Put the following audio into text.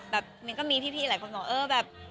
แบบมีก็มีพี่หลายคนบอกว่าเออแบบ